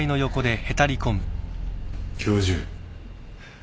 教授。